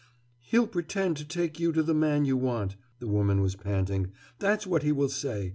"He'll pretend to take you to the man you want," the woman was panting. "That's what he will say.